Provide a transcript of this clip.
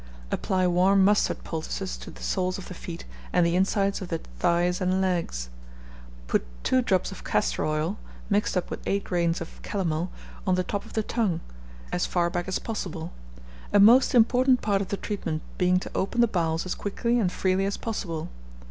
Apply warm mustard poultices to the soles of the feet and the insides of the thighs and legs; put two drops of castor oil, mixed up with eight grains of calomel, on the top of the tongue, as far back as possible; a most important part of the treatment being to open the bowels as quickly and freely as possible.